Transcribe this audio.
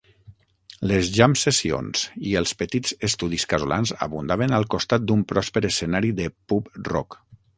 Les jam-sessions i els petits estudis casolans abundaven al costat d'un pròsper escenari de pub rock.